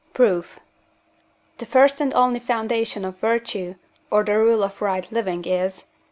Proof. The first and only foundation of virtue, or the rule of right living is (IV.